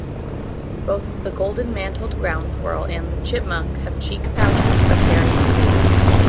Both the golden-mantled ground squirrel and the chipmunk have cheek pouches for carrying food.